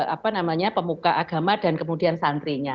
apa namanya pemuka agama dan kemudian santrinya